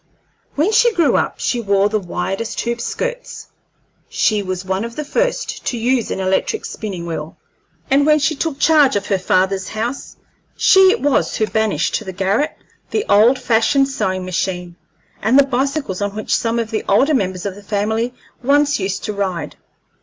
When she grew up she wore the widest hoop skirts; she was one of the first to use an electric spinning wheel; and when she took charge of her father's house, she it was who banished to the garret the old fashioned sewing machine, and the bicycles on which some of the older members of the family once used to ride.